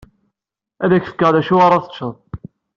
Ad ak-fkeɣ d acu ara teččeḍ.